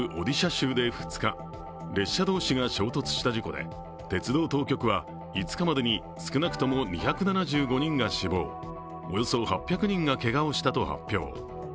州で２日列車同士が衝突した事故で鉄道当局は５日までに少なくとも２７５人が死亡およそ８００人がけがをしたと発表。